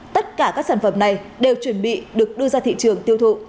tất cả các sản phẩm này đều chuẩn bị được đưa ra thị trường tiêu thụ